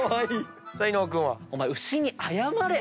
伊野尾君は？お前牛に謝れ！